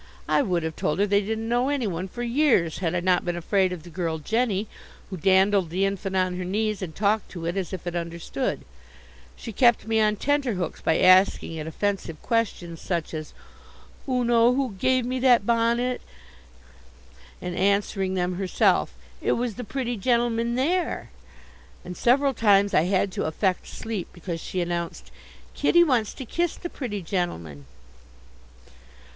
I would have told her they didn't know anyone for years had I not been afraid of the girl Jenny, who dandled the infant on her knees and talked to it as if it understood. She kept me on tenterhooks by asking it offensive questions: such as, "Oo know who give me that bonnet?" and answering them herself, "It was the pretty gentleman there," and several times I had to affect sleep because she announced, "Kiddy wants to kiss the pretty gentleman."